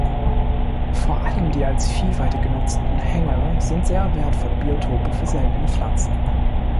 Vor allem die als Viehweide genutzten Hänge sind sehr wertvolle Biotope für seltene Pflanzen.